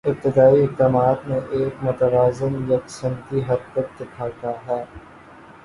ابتدائی اقدامات میں ایک متوازن یکسمتی حرکت دکھاتا ہے